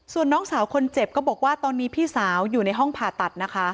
ส่วนน้องสาวคนเจ็บก็บอกว่าตอนนี้พี่สาวอยู่ในห้องผ่าตัดนะคะ